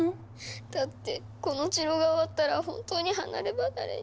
だってこの治療が終わったら本当に離れ離れに。